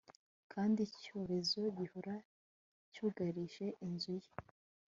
kandi icyorezo gihora cyugarije inzu ye